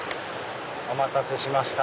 お待たせしました。